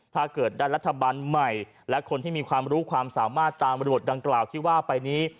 ถ้าเกิดได้รัฐบาลใหม่และคนที่มีความรู้ความสามารถตามรวดดังกล่าวที่ว่าไปนี้